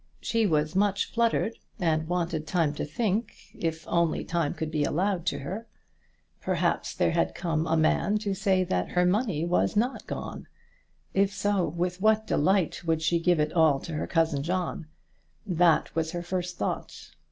She was much fluttered, and wanted time to think, if only time could be allowed to her. Perhaps there had come a man to say that her money was not gone. If so, with what delight would she give it all to her cousin John! That was her first thought.